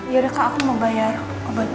yaudah kak aku mau bayar obat